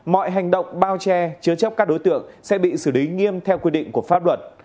mọi hành động bao che chứa chấp các đối tượng sẽ bị xử lý nghiêm theo quy định của pháp luật